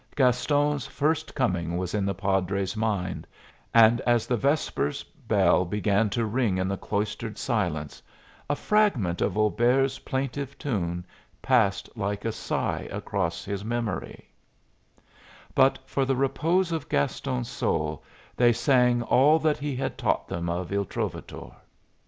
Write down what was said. Gaston's first coming was in the padre's mind; and as the vespers bell began to ring in the cloistered silence, a fragment of Auber's plaintive tune passed like a sigh across his memory: [Musical Score Appears Here] But for the repose of Gaston's soul they sang all that he had taught them of "Il Trovatore."